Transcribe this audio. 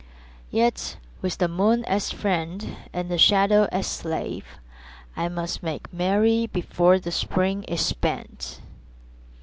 Yet with the moon as friend and the shadow as slave I must make merry before the Spring is spent.